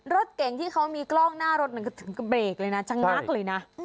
รถเก่งที่เขามีกล้องหน้ารถมันก็ถึงเบรกเลยนะชะงักเลยนะ